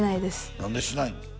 何でしないの？